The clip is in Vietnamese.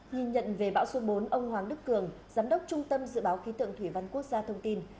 nhìn nhận về bão số bốn ông hoàng đức cường giám đốc trung tâm dự báo khí tượng thủy văn quốc gia thông tin